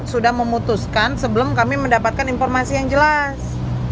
sudah memutuskan sebelum kami mendapatkan informasi yang jelas